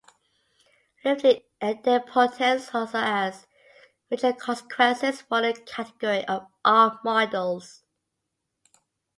Lifting idempotents also has major consequences for the category of "R" modules.